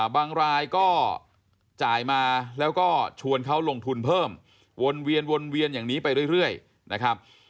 บางรายก็จ่ายมาแล้วก็ชวนเขาลงทุนเพิ่มวนเวียนวนเวียนอย่างนี้ไปเรื่อยนะครับ